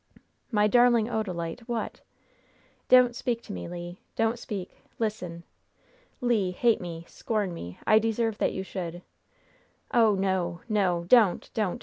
"My darling Odalite, what?" "Don't speak to me, Le! Don't speak! Listen! Le, hate me! scorn me! I deserve that you should. Oh, no! no! Don't! don't!